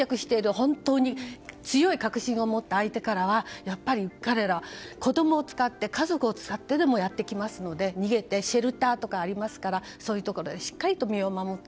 本当に強い確信を持った相手からはやっぱり、彼らは子供を使って家族を使ってでもやってきますので逃げてシェルターとかありますからそういうところでしっかりと身を守って